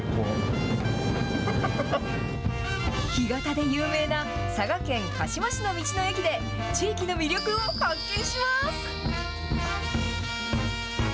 干潟で有名な佐賀県鹿島市の道の駅で、地域の魅力を発見します。